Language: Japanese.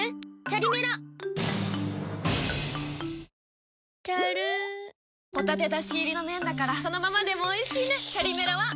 チャルホタテだし入りの麺だからそのままでもおいしいねチャリメラは！